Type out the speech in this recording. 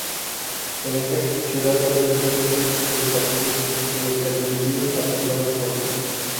En esta ciudad abrió diversos centros educativos, en los que admitía a personas sordas.